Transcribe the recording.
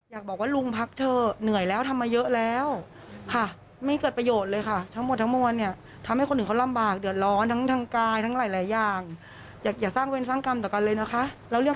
รออะไรกันอยู่เรื่องยังมันจะได้จบเพราะคนเขาจะได้ไป